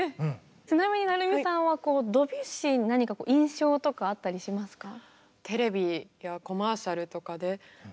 ちなみに成海さんはドビュッシーに何か印象とかあったりしますか？